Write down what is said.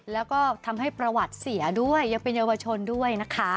แล้วก็ทำให้ประวัติเสียด้วยยังเป็นเยาวชนด้วยนะคะ